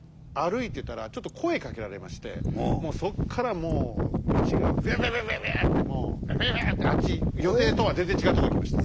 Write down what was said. このあとはですねもうそっからもう道がビュビュビュビュビュッてもうビュビュッてあっち予定とは全然違うとこ行きました。